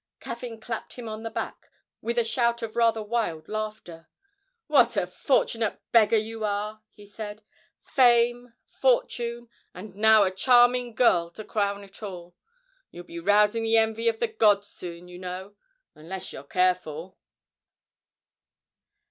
Caffyn clapped him on the back with a shout of rather wild laughter. 'What a fortunate beggar you are!' he said; 'fame, fortune and now a charming girl to crown it all. You'll be rousing the envy of the gods soon, you know unless you're careful!'